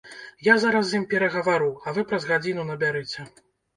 Я зараз з ім перагавару, а вы праз гадзіну набярыце.